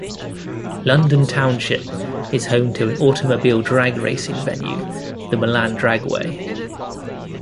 London Township is home to an automobile drag racing venue, the Milan Dragway.